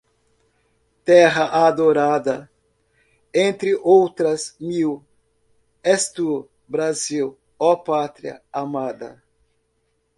Terra adorada. Entre outras mil, és tu, Brasil, ó Pátria amada